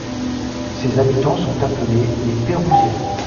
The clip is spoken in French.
Ses habitants sont appelés les Peyrousiens.